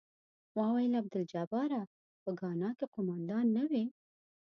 ما ویل عبدالجباره په ګانا کې قوماندان نه وې.